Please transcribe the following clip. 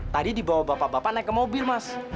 tadi dibawa bapak bapak naik ke mobil mas